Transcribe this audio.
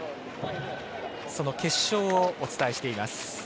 その決勝をお伝えしています。